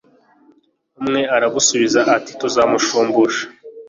umwe aragusubiza ati tuzamushumbusha